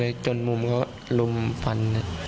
ก็เลยจนมุมเขาลุมฟัน